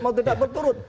mau tidak berturut